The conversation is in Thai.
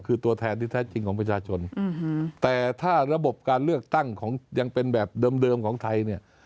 คือตัวแทนที่แท้จริงของประชาชนแต่ถ้าระบบการเลือกตั้งของยังเป็นแบบเดิมของไทยเนี่ย